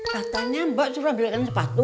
katanya mbak suruh belikan sepatu